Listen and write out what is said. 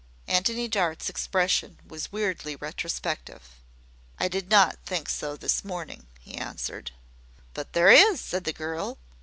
Antony Dart's expression was weirdly retrospective. "I did not think so this morning," he answered. "But there is," said the girl.